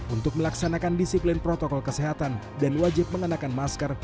untuk melaksanakan disiplin protokol kesehatan dan wajib mengenakan masker